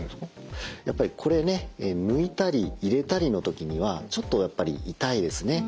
やっぱりこれね抜いたり入れたりの時にはちょっとやっぱり痛いですね。